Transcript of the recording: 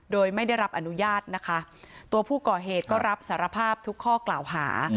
โดยไม่ได้รับอนุญาตนะคะตัวผู้ก่อเหตุก็รับสารภาพทุกข้อกล่าวหา